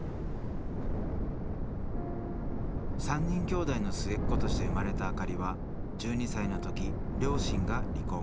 ３人きょうだいの末っ子として生まれた明里は１２歳の時両親が離婚。